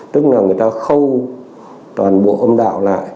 tức là người ta khâu toàn bộ âm đạo lại